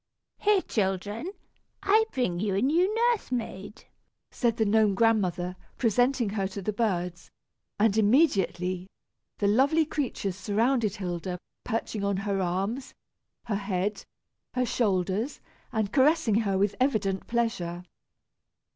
"Here, children, I bring you a new nurse maid," said the Gnome Grandmother, presenting her to the birds; and immediately, the lovely creatures surrounded Hilda, perching on her arms, her head, her shoulders, and caressing her with evident pleasure.